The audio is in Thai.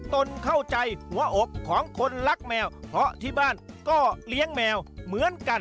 ตนเข้าใจหัวอกของคนรักแมวเพราะที่บ้านก็เลี้ยงแมวเหมือนกัน